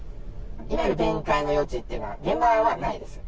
いわゆる弁解の余地というのは、現場はないです。